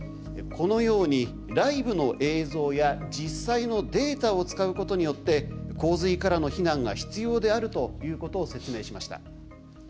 このようにライブの映像や実際のデータを使うことによって洪水からの避難が必要であるということを説明しました。